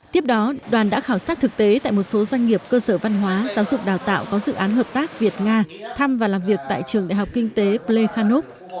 tiếp đó đoàn đã khảo sát thực tế tại một số doanh nghiệp cơ sở văn hóa giáo dục đào tạo có dự án hợp tác việt nga thăm và làm việc tại trường đại học kinh tế plekhanov